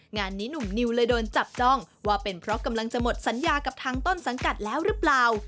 งานนี้หนุ่มนิวเลยโดนจับจ้องว่าเป็นเพราะกำลังจะหมดสัญญากับทางต้นสังกัดแล้วหรือเปล่า